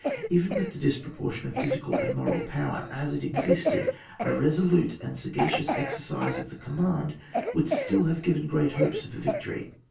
Even with the disproportion of physical and moral power as it existed, a resolute and sagacious exercise of the command would still have given gpreat hopes of a victory.